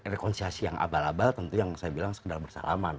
rekonsiasi yang abal abal tentu yang saya bilang sekedar bersalaman